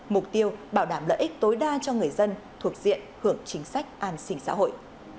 mục tiêu bảo đảm lợi ích tối đa cho người dân thuộc diện hưởng chính sách an sinh xã hội